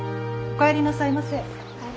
お帰りなさいませ。